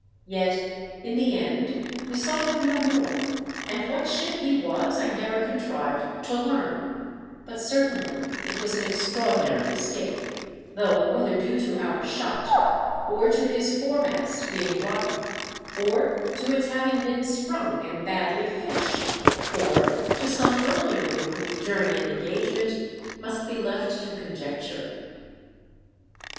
Yet in the end we saw him no more, and what ship he was I never contrived to learn ; but certainly it was an extraordinary escape, though whether due to our shot, or to his foremast being rotten, or to its having been sprung and badly fished, or to some earlier wound during an engage ment, must be left to conjecture.